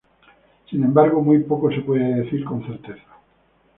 Sin embargo, muy poco se puede decir con certeza.